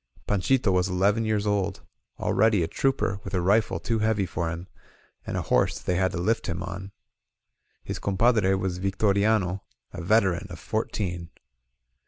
..• Panchito was eleven years old, already a trooper with a rifle too heavy for him, and a horse that they had to lift him on. His compadre was Victoriano, a veteran of fourteen.